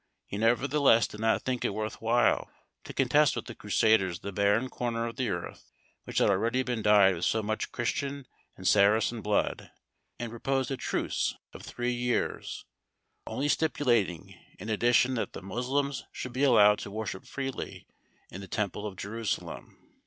He nevertheless did not think it worth while to contest with the Crusaders the barren corner of the earth which had already been dyed with so much Christian and Saracen blood, and proposed a truce of three years, only stipulating, in addition, that the Moslems should be allowed to worship freely in the temple of Jerusalem.